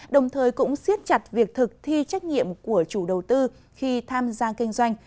đồng thời cũng siết chặt việc thực thi trách nhiệm của chủ đầu tư khi tham gia kinh doanh